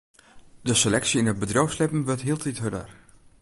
De seleksje yn it bedriuwslibben wurdt hieltyd hurder.